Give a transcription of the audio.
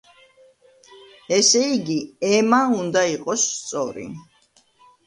ესე იგი, ემა უნდა იყოს სწორი.